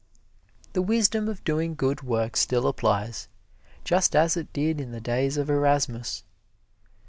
The wisdom of doing good work still applies, just as it did in the days of Erasmus.